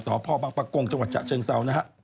สพบางปะโกงจเชิงเซานะครับ